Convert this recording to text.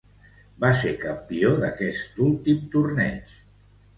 Va ser campió d'este últim torneig.